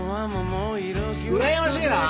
うらやましいな！